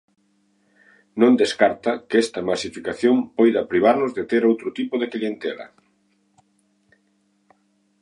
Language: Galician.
Non descarta que esta "masificación" poida "privarnos de ter outro tipo de clientela".